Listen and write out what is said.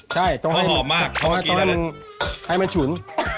ใช่เพราะหอมมากต้องให้มันฉุน